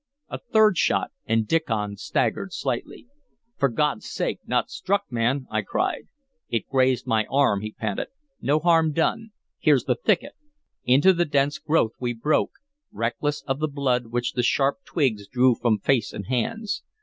A third shot, and Diccon staggered slightly. "For God's sake, not struck, man?" I cried. "It grazed my arm," he panted. "No harm done. Here's the thicket!" Into the dense growth we broke, reckless of the blood which the sharp twigs drew from face and hands.